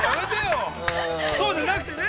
そうじゃなくてね。